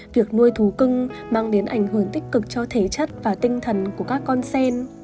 việc nuôi thú cưng mang đến ảnh hưởng tích cực cho thể chất và tinh thần của các con sen